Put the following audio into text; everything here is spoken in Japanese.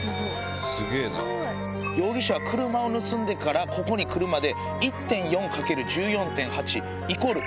容疑者は車を盗んでからここに来るまで。